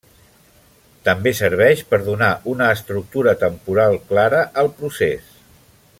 També serveix per donar una estructura temporal clara al procés.